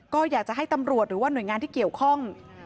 ก็อยากจะให้ตำรวจหรือว่าหน่วยงานที่เกี่ยวข้อง